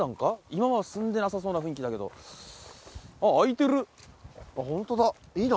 今は住んでなさそうな雰囲気だけどホントだいいの？